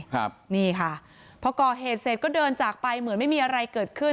ครับนี่ค่ะพอก่อเหตุเสร็จก็เดินจากไปเหมือนไม่มีอะไรเกิดขึ้น